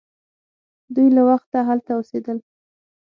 دوی له وخته هلته اوسیدل.